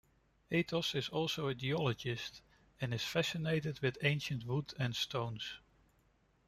Athos is also a geologist, and is fascinated with ancient wood and stones.